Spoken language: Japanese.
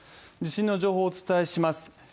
地震の情報をお伝えします。